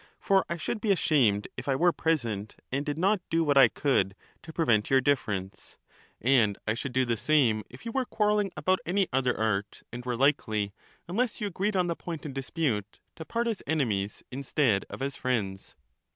For I should be ashamed if I were present and did not do what I could to prevent your difference. And I should do the same if you were quarrelling about any other art and were likely, unless you agreed on the point in dispute, to part as enemies instead of as friends.